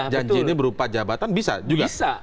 janji ini berupa jabatan bisa juga